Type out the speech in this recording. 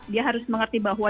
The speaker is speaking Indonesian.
dia harus mengerti bahwa